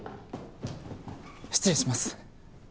・失礼します。